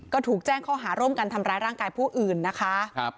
ก็ถูกแจ้งข้อหาร่วมกันทำร้ายร่างกายผู้อื่นนะคะ